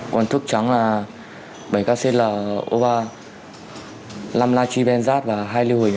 còn thuốc trắng là bảy kclo ba năm lachybenzad và hai liu hủy